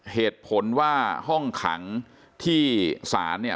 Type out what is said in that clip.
เหตุผลว่าห้องขังที่ศาลเนี่ย